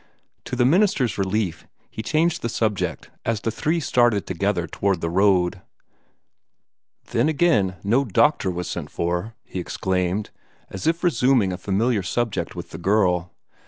To the minister's relief, he changed the subject as the three started together toward the road. "Then, again, no doctor was sent for!" he exclaimed, as if resuming a familiar subject with the girl.